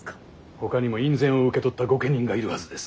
ほかにも院宣を受け取った御家人がいるはずです。